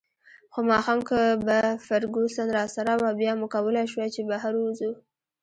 خو ماښام که به فرګوسن راسره وه، بیا مو کولای شوای چې بهر ووځو.